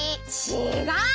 ちがう！